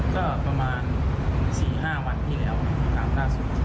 ก็ประมาณ๔๕วันที่แล้วตามท่าสุดเจอ